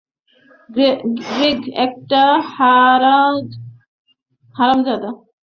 Greg একটা হারামজাদা।